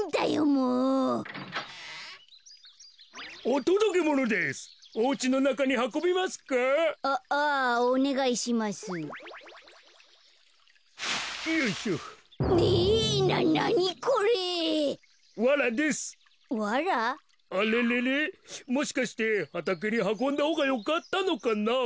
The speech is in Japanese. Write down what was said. もしかしてはたけにはこんだほうがよかったのかな。